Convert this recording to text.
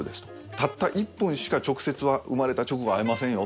たった１分しか直接は生まれた直後会えませんよ